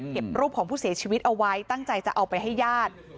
รูปของผู้เสียชีวิตเอาไว้ตั้งใจจะเอาไปให้ญาติ